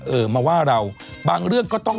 เออมาว่าเราบางเรื่องก็ต้อง